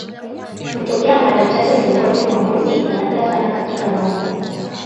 hutokea mara chache miongoni mwa mbuzi na nadra sana katika ngombe